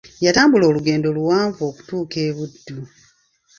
Yatambula olugendo luwanvu okutuuka e Buddu.